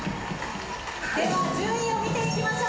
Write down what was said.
では順位を見ていきましょう。